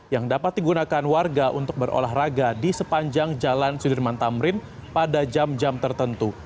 yang dapat digunakan warga untuk berolahraga di sepanjang jalan sudirman tamrin pada jam jam tertentu